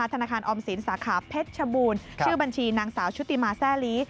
ธนาคารออมสินสาขาเพชรชบูรณ์ชื่อบัญชีนางสาวชุติมาแซ่ลี